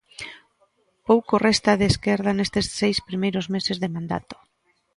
Pouco resta de esquerda nestes seis primeiros meses de mandato.